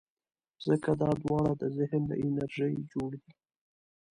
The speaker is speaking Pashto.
ځکه دا دواړه د ذهن له انرژۍ جوړ دي.